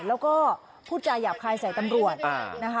แล้วก็ผู้จ่ายหยาบคายใส่ตำรวจ